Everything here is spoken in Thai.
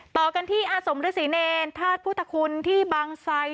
ต่อกันที่อาสมฤษีเนรธาตุพุทธคุณที่บางไซ